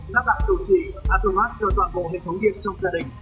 các bạn tổ chí automat cho toàn bộ hệ thống điện trong gia đình